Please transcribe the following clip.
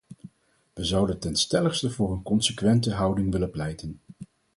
Wij zouden ten stelligste voor een consequente houding willen pleiten.